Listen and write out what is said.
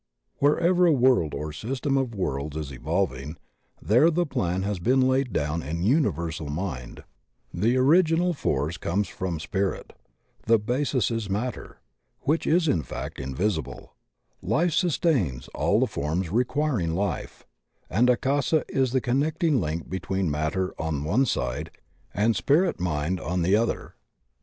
Wherever a world or system of worlds is evolving, there the plan has been laid down in universal mind; 16 THE OCEAN OF THEOSOPHY the original force comes from spirit; the basis is mat ter — ^which is in fact invisible — ^Life sustains all the forms requiring life, and Akasa is the connecting link between matter on one side and spirit mind on the other.